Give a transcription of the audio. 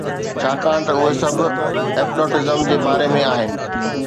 ڇاڪاڻ ته اهي سڀ hypnotism جي باري ۾ آهن